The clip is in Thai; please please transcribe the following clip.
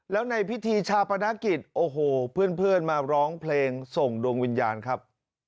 แล้วในพิธีชาปนกิจโอ้โหเพื่อนมาร้องเพลงส่งดวงวิญญาณครับ